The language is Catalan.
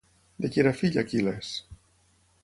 De qui era fill Aquil·les?